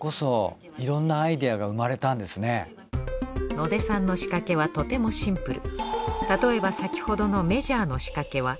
野出さんの仕掛けはとてもシンプル。